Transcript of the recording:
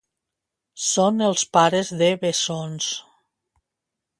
Són els pares de bessons.